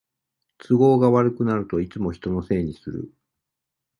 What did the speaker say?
都合が悪くなるといつも人のせいにする